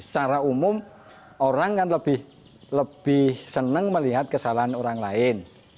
secara umum orang kan lebih senang melihat kesalahan orang lain